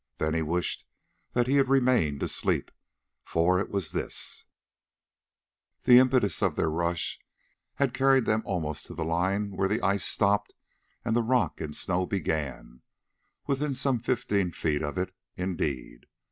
Then he wished that he had remained asleep, for it was this: The impetus of their rush had carried them almost to the line where the ice stopped and the rock and snow began, within some fifteen feet of it, indeed.